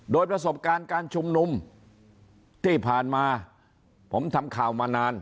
โดยประสบการณ์การชุมนุมที่ผ่านมาผมทำข่าวมานาน